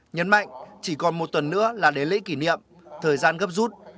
nhấn mạnh chỉ còn một tuần nữa là đến lễ kỷ niệm thời gian gấp rút